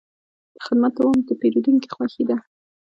د خدمت دوام د پیرودونکي خوښي ده.